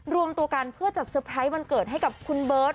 รวมตัวกันเพื่อจัดเตอร์ไพรส์วันเกิดให้กับคุณเบิร์ต